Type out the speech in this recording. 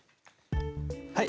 はい。